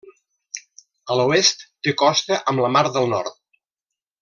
A l'oest té costa amb la Mar del Nord.